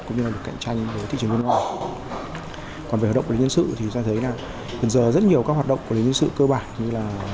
cũng như là một cạnh tranh với thị trường nước ngoài